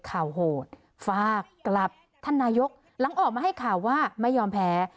โหดฝากกลับท่านนายกหลังออกมาให้ข่าวว่าไม่ยอมแพ้